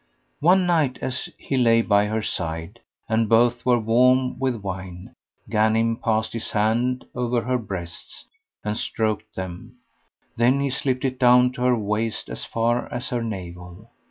One night, as he lay by her side, and both were warm with wine, Ghanim passed his hand over her breasts and stroked them; then he slipped it down to her waist as far as her navel.